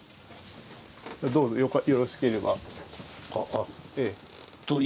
どうぞよろしければ。